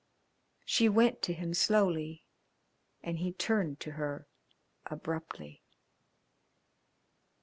She went to him slowly, and he turned to her abruptly.